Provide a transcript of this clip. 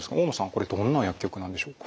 これどんな薬局なんでしょうか？